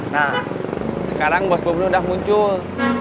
nah sekarang bos gue udah muncul